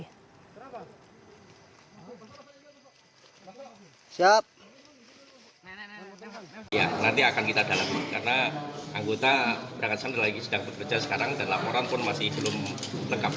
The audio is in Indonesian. karena anggota berangkat selama ini sedang bekerja sekarang dan laporan pun masih belum lengkap